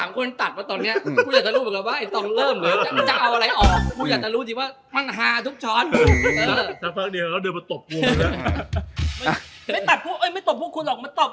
ไม่ตบคุณหรอกมาตบกูเนี่ย